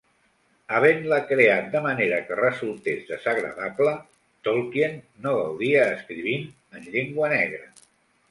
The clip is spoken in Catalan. Havent-la creat de manera que resultés desagradable, Tolkien no gaudia escrivint en llengua negra.